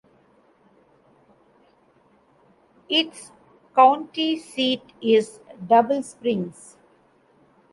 Its county seat is Double Springs.